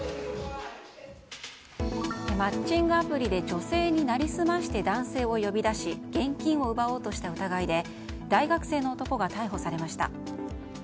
マッチングアプリで女性に成り済まして男性を呼び出し現金を奪おうとした疑いで大学生の男が逮捕されました。